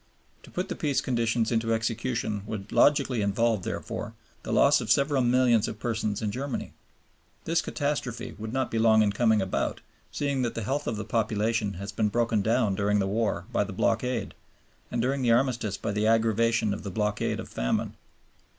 To put the Peace conditions into execution would logically involve, therefore, the loss of several millions of persons in Germany. This catastrophe would not be long in coming about, seeing that the health of the population has been broken down during the War by the Blockade, and during the Armistice by the aggravation of the Blockade of famine.